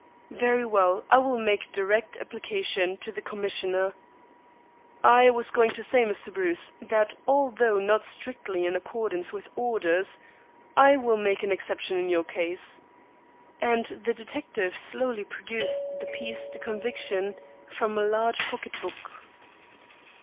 "Very well, I will make direct application to the Commissioner." "I was going to say, Mr. Bruce, that although not strictly in accordance with orders, I will make an exception in your case." And the detective slowly produced the piece de conviction from a large pocket book.